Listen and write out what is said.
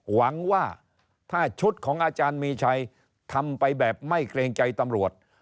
หวังว่าถ้าชุดของอาจารย์มีชัยทำไปแบบไม่เกรงใจตำรวจ